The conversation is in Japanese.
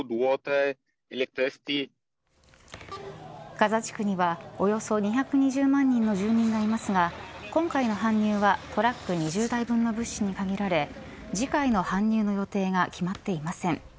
ガザ地区にはおよそ２２０万人の住民がいますが今回の搬入はトラック２０台分の物資に限られ次回の搬入の予定が決まっていません。